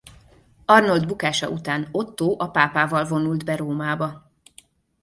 Arnold bukása után Ottó a pápával vonult be Rómába.